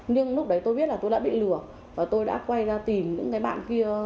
nhưng lúc đấy tôi biết là tôi đã bị lừa và tôi đã quay ra tìm những cái bạn kia